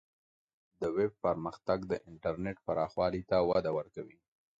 د ویب پرمختګ د انټرنیټ پراخوالی ته وده ورکوي.